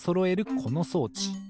この装置。